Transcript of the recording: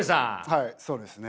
はいそうですね。